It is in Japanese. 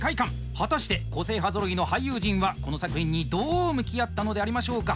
果たして個性派ぞろいの俳優陣はこの作品にどう向き合ったのでありましょうか。